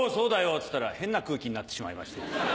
っつったら変な空気になってしまいました。